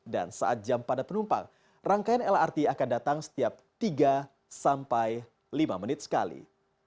dan saat jam pada penumpang rangkaian lrt akan datang setiap tiga sampai lima menit sekali